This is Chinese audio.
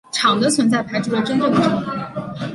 场的存在排除了真正的真空。